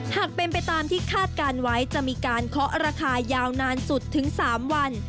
หากเป็นไปตามที่คาดการณ์ไว้จะมีการเคาะราคายาวนานสุดถึง๓วัน